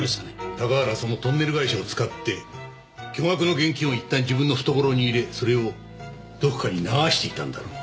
高原はそのトンネル会社を使って巨額の現金を一旦自分の懐に入れそれをどこかに流していたんだろう。